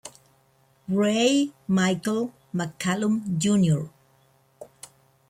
Ray Michael McCallum, Jr.